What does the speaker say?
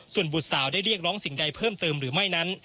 ส่วนบุตรสาวได้เรียกร้องสิ่งใดเพิ่มเติมหรือไม่นั้น